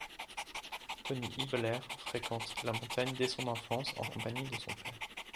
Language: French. Toni Hiebeler fréquente la montagne dès son enfance, en compagnie de son père.